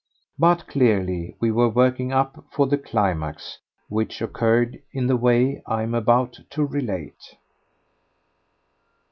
But clearly we were working up for the climax, which occurred in the way I am about to relate.